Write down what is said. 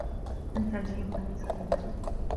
أنت جيم، أليس كذلك؟